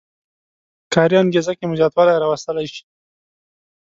کاري انګېزه کې مو زیاتوالی راوستلی شي.